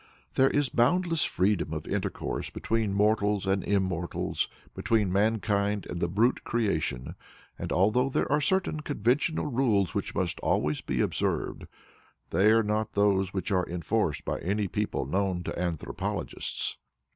There is boundless freedom of intercourse between mortals and immortals, between mankind and the brute creation, and, although there are certain conventional rules which must always be observed, they are not those which are enforced by any people known to anthropologists.